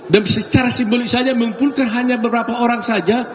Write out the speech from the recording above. dan secara simbolik saja mengumpulkan hanya beberapa orang saja